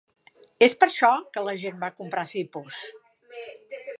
És per això que la gent va comprar Zippos.